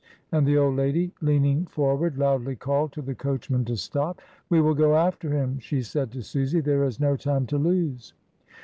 And the old lady, leaning for ward, loudly called to the coachman to stop. "We will go after him," she said to Susy; "there is no time to lose."